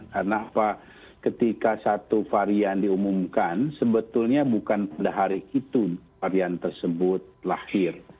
karena pak ketika satu varian diumumkan sebetulnya bukan pada hari itu varian tersebut lahir